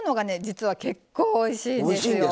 実は結構おいしいんですよ。